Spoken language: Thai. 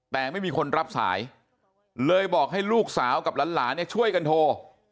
แต่ไม่มีคนรับสายเลยบอกให้ลูกสาวกับหลานเนี่ยช่วยกันโทร